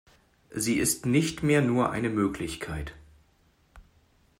Sie ist nicht mehr nur eine Möglichkeit.